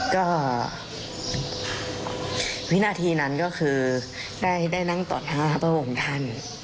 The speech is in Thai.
ก็วินาทีนั้นก็คือได้นั่งต่อท่าพระองค์ท่าน